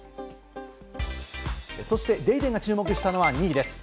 そして『ＤａｙＤａｙ．』が注目したのは２位です。